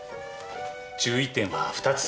注意点は２つ。